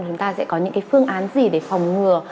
chúng ta sẽ có những phương án gì để phòng ngừa